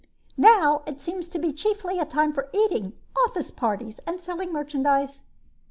Now it seems to be chiefly a time for eating, office parties, and selling merchandise."